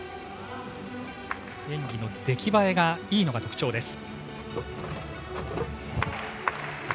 演技の出来栄えがいいのが特徴です。